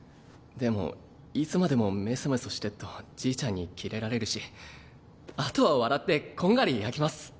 でもいつまでもメソメソしてっとじいちゃんにキレられるしあとは笑ってこんがり焼きます。